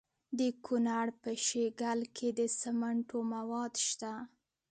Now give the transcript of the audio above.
د کونړ په شیګل کې د سمنټو مواد شته.